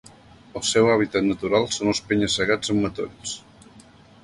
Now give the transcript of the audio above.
El seu hàbitat natural són els penya-segats amb matolls.